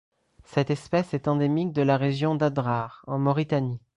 Cette espèce est endémique de la région d'Adrar en Mauritanie.